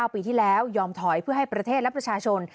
ปีที่แล้วยอมถอยเพื่อให้ประเทศและประชาชน